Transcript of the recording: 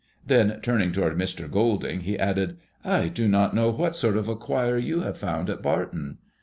Then turning towards Mr. Golding, he added :'' I do not know what sort of a choir you have found at Barton."